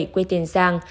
quê tiền giang